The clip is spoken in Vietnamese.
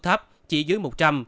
thấp chỉ dưới một trăm linh